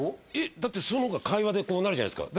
だってその方が会話でこうなるじゃないすか